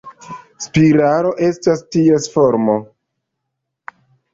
Spiralo estas ties formo.